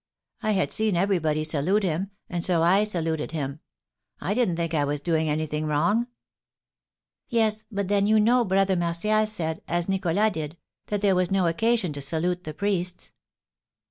I had seen everybody salute him, and so I saluted him; I didn't think I was doing any wrong." "Yes; but then, you know, Brother Martial said, as Nicholas did, that there was no occasion to salute the priests."